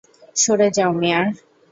সরে যাও, মেয়ার!